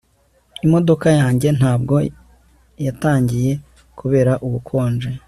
Imodoka yanjye ntabwo yatangiye kubera ubukonje